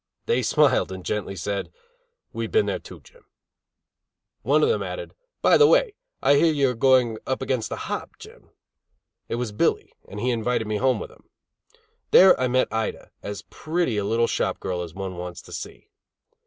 They smiled and gently said: "We have been there, too, Jim." One of them added: "By the way, I hear you are up against the hop, Jim." It was Billy, and he invited me home with him. There I met Ida, as pretty a little shop girl as one wants to see.